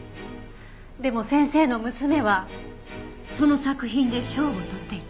でも先生の娘はその作品で賞を取っていた。